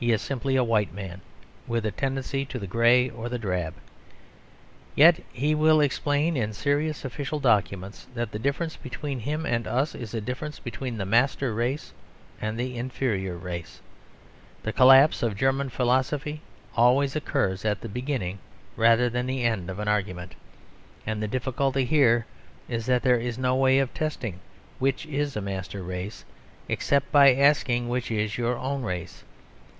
He is simply a white man, with a tendency to the grey or the drab. Yet he will explain, in serious official documents, that the difference between him and us is a difference between "the master race and the inferior race." The collapse of German philosophy always occurs at the beginning rather than the end of an argument; and the difficulty here is that there is no way of testing which is a master race except by asking which is your own race.